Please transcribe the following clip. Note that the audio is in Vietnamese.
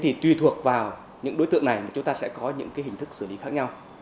thì tùy thuộc vào những đối tượng này thì chúng ta sẽ có những hình thức xử lý khác nhau